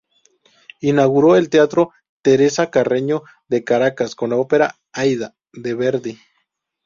Inauguró el Teatro Teresa Carreño de Caracas con la ópera "Aída", de Verdi.